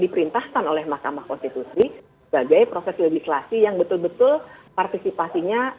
diperintahkan oleh mahkamah konstitusi sebagai proses legislasi yang betul betul partisipasinya